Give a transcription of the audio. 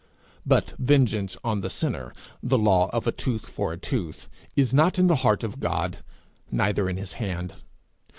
But vengeance on the sinner, the law of a tooth for a tooth, is not in the heart of God, neither in his hand.